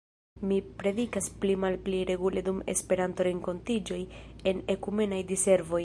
Mi predikas pli-malpli regule dum Esperanto-renkontiĝoj en ekumenaj diservoj.